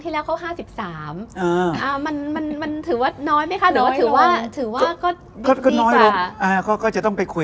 ลักษณะ๔๐เนี่ยเสนอได้เห็นด้วย